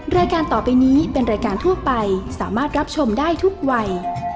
รายการต่อไปนี้เป็นรายการทั่วไปสามารถรับชมได้ทุกวัย